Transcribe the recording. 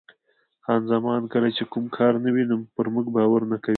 خان زمان: کله چې کوم کار نه وي نو پر موږ باور نه کوي.